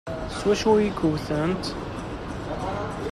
S wacu ay k-wtent?